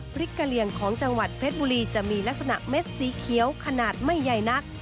กะเหลี่ยงของจังหวัดเพชรบุรีจะมีลักษณะเม็ดสีเขียวขนาดไม่ใหญ่นัก